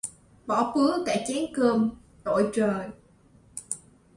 Bỏ bứa cả chén cơm, tội trời